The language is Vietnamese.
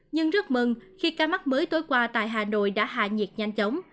nhưng rất mừng khi ca mắc mới tối qua tại hà nội đã hạ nhiệt nhanh chóng